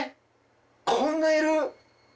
こんないる？